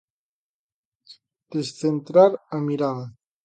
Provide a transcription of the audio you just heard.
Descentrar a mirada.